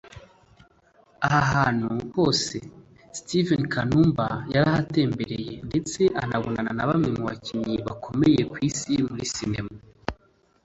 Aha hantu hose Steven Kanumba yarahatembereye ndetse anabonana na bamwe mu bakinnyi bakomeye ku isi muri sinema